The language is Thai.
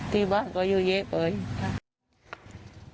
ที่บ้านก็อยู่เยอะไป